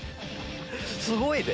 すごいで！